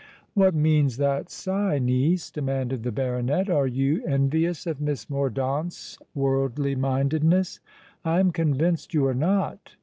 "What means that sigh, niece?" demanded the baronet. "Are you envious of Miss Mordaunt's worldly mindedness? I am convinced you are not.